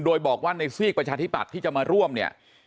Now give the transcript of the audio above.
โดยบอกว่าในซีกประชาธิปัติที่จะมาร่วมอย่างนั้น